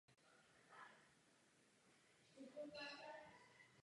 To je v každém případě dobrý začátek.